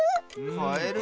カエルだ。